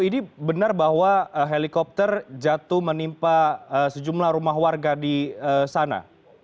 ini benar bahwa helikopter jatuh menimpa sejumlah rumah warga di sana